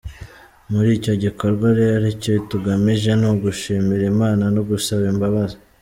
Muri icyo gikorwa rero icyo tugamije ni ugushimira Imana no gusaba imbabazi.